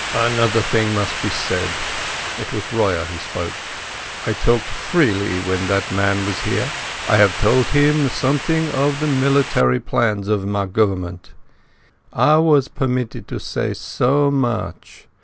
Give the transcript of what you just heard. "Another thing must be said," it was Royer who spoke. "I talked freely when that man was here. I told something of the military plans of my Government. I was permitted to say so much.